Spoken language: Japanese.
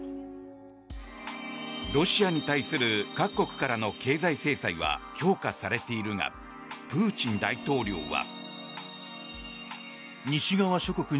ロシアに対する各国からの経済制裁は強化されているがプーチン大統領は。